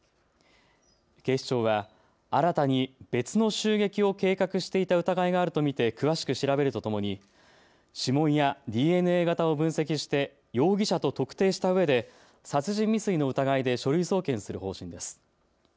警視庁は新たに別の襲撃を計画していた疑いがあると見て詳しく調べるとともに指紋やＤＮＡ型を分析して容疑者と特定したうえで殺人未遂の疑いで書類送検する方針です。